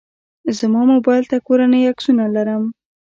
زما موبایل ته کورنۍ عکسونه لرم.